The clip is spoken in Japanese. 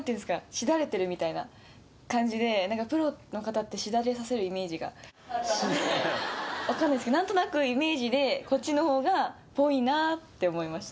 枝垂れてるみたいな感じでプロの方って枝垂れさせるイメージがあったのでわかんないですけどなんとなくイメージでこっちの方がっぽいなって思いました